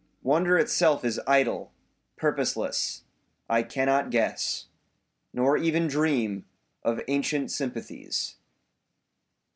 Wonder itself is idle, purposeless; I cannot guess Nor even dream of ancient sympathies.